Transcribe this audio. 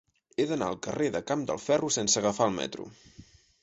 He d'anar al carrer del Camp del Ferro sense agafar el metro.